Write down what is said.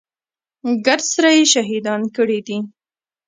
ګرد سره يې شهيدان کړي دي.